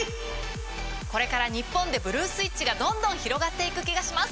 これから日本でブルー・スイッチがどんどん広がっていく気がします